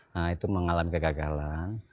nah itu mengalami kegagalan